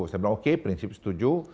saya bilang oke prinsip setuju